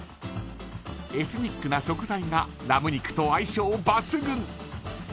エスニックな食材がラム肉と相性抜群。